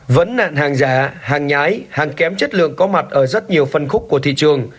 vấn nạn hàng giả hàng nhái hàng kém chất lượng có mặt ở rất nhiều phân khúc của thị trường